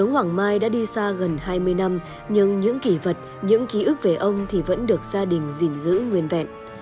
hoàng mai đã đi xa gần hai mươi năm nhưng những kỷ vật những ký ức về ông thì vẫn được gia đình gìn giữ nguyên vẹn